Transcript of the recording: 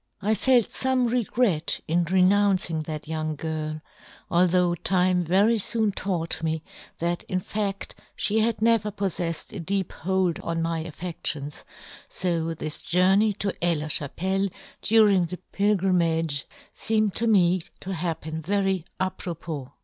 " I felt fome regret in renouncing * the young girl, although time very * foon taught me that in fadl fhe had * never pofTeffed a deep hold on my ' afFedtions ; fo this journey to Aix ' la Chapelle during the pilgrimage ' feemed to me to happen very a yohn Gutenberg. 125 " propos.